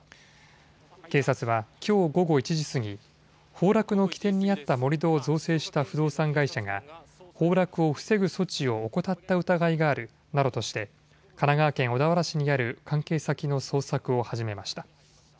警察はきょう午後１時過ぎ、崩落の起点にあった盛り土を造成した不動産会社が崩落を防ぐ措置を怠った疑いがあるなどとして神奈川県小田原市にある関係先の捜索を始めました。